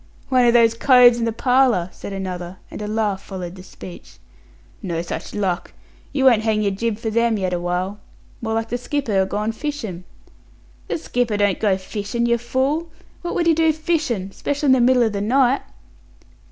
"One of those coves in the parlour!" said another; and a laugh followed the speech. "No such luck. You won't hang your jib for them yet awhile. More like the skipper agone fishin'." "The skipper don't go fishin', yer fool. What would he do fishin'? special in the middle o' the night."